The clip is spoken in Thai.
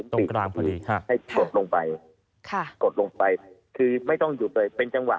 ตรงกลางพอดีให้กดลงไปกดลงไปคือไม่ต้องหยุดเลยเป็นจังหวะ